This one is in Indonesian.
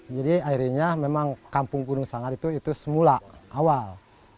jadi akhirnya memang kampung gunung sanggar itu semula awal